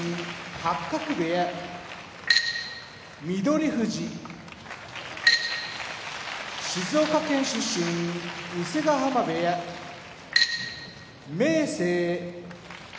八角部屋翠富士静岡県出身伊勢ヶ濱部屋明生